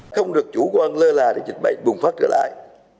không được chủ quan lơ là để dịch bệnh bùng phát trở lại